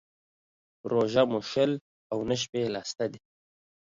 روژه مو شل او نه شپې يې لا سته دى.